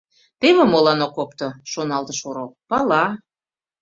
«Теве молан ок опто, — шоналтыш орол. — пала...